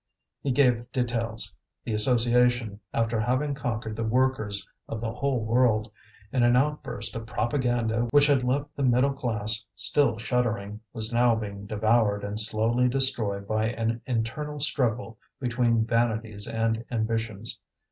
He gave details. The association, after having conquered the workers of the whole world, in an outburst of propaganda which had left the middle class still shuddering, was now being devoured and slowly destroyed by an internal struggle between vanities and ambitions.